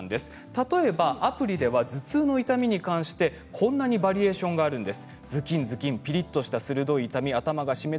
例えばアプリでは頭痛の痛みに関してはこんなにバリエーションがあります。